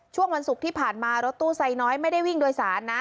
ช่วงวันศุกร์ที่ผ่านมารถตู้ไซน้อยไม่ได้วิ่งโดยสารนะ